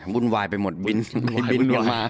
วุ่นวายไปหมดบิน